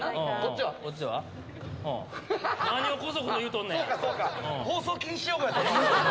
何をこそこそ言うとんねん！